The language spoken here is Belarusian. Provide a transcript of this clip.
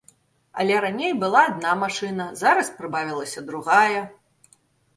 Але раней была адна машына, зараз прыбавілася другая.